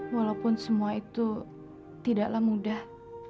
walaupun semua itu tidaklah mudah